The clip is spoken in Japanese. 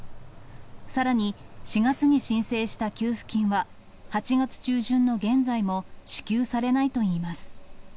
さらに、４月に申請した給付金は、８月中旬の現在も支給されないといいます。